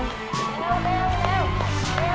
เร็วเร็วเร็วเร็วเร็ว